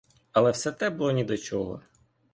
Але все те було ні до чого.